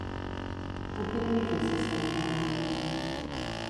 En quin edifici estem parlant?